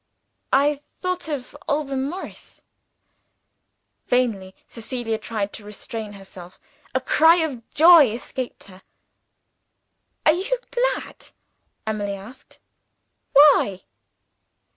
"I thought of Alban Morris." Vainly Cecilia tried to restrain herself. A cry of joy escaped her. "Are you glad?" Emily asked. "Why?"